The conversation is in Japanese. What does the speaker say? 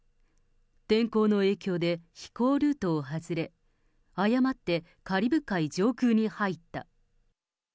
天候の影響で飛行ルートを外れ、誤ってカリブ海上空に入った。